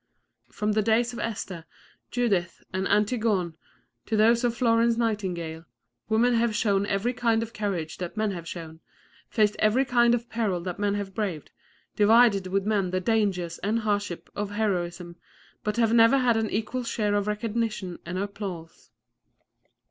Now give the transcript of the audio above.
From the days of Esther, Judith and Antigone to those of Florence Nightingale, women have shown every kind of courage that men have shown, faced every kind of peril that men have braved, divided with men the dangers and hardships of heroism but have never had an equal share of recognition and applause.